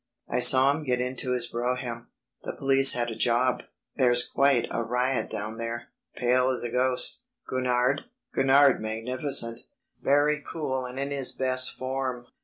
I saw him get into his brougham. The police had a job.... There's quite a riot down there.... Pale as a ghost. Gurnard? Gurnard magnificent. Very cool and in his best form.